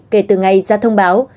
kể từ ngày ra thông báo